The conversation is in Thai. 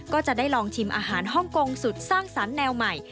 ก็จะได้ลองชิมอาหารฮ่องกงสุดสร้างสรรค์แนวใหม่